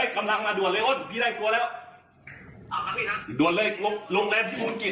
เฮ้ยกำลังมาด่วนเลยอุ๊ทนีไดด่วนเลยลงแมมฑุ้นจิต